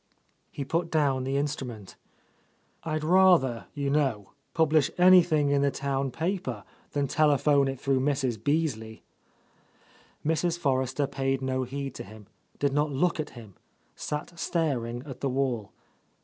He put down the instrument, "I'd rather, you — 130— A Lost Lady know, publish anything in the town paper than telephone it through Mrs. Beasley." Mrs. For rester paid no heed to him, did not look at him, sat staring at the wall.